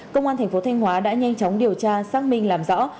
công an tp thanh hóa đã nhanh chóng điều tra xác minh làm rõ